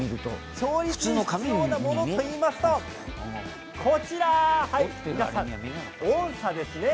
調律に必要なものといいますとこちら、音さですね。